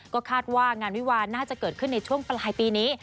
ก็คาดว่างานวิวาลน่าจะเกิดขึ้นในช่วงปลายปีนี้